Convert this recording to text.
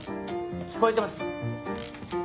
聞こえてます。